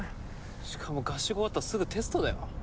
しかも合宿終わったらすぐテストだよ。